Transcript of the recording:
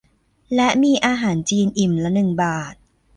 และมีอาหารจีนอิ่มละหนึ่งบาท